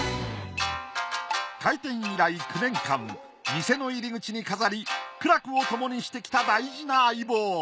開店以来９年間店の入り口に飾り苦楽をともにしてきた大事な相棒。